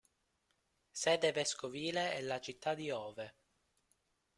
Sede vescovile è la città di Hove.